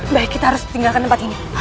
mbah kita harus tinggalkan tempat ini